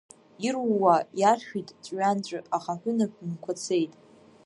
Ирууа иаршәит ҵәҩанҵәы, аха аҳәынаԥ мқәацеит.